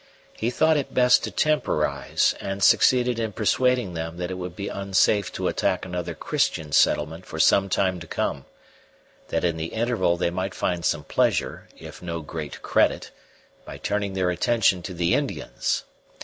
He thought it best to temporize, and succeeded in persuading them that it would be unsafe to attack another Christian settlement for some time to come; that in the interval they might find some pleasure, if no great credit, by turning their attention to the Indians.